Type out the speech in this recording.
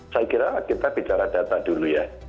saya kira kita bicara data dulu ya